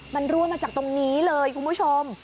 มันรั่วมาจากตรงนี้เลยคุณผู้ชม